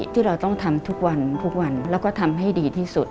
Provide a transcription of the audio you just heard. ที่เราต้องทำทุกวันทุกวันแล้วก็ทำให้ดีที่สุด